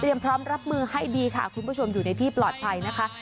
พร้อมรับมือให้ดีค่ะคุณผู้ชมอยู่ในที่ปลอดภัยนะคะ